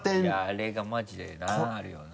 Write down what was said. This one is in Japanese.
あれがマジでなあるよな。